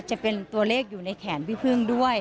จะเป็นตัวเลขอยู่ในแขนพี่พึ่งด้วย